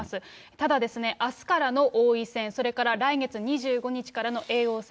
ただですね、あすからの王位戦、それから来月２５日からの叡王戦。